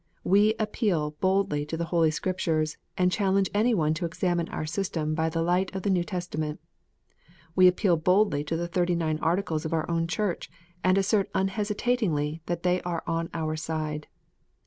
We appeal boldly to the Holy KScriptures, and challenge any one to examine our system by the light of the New Testament. We appeal boldly to the Thirty nine Articles of our own Church, and assert unhesitatingly that they are on our side.